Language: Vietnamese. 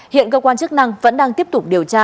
hiện cơ quan chức năng vẫn đang tiếp tục điều tra